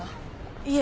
いえ。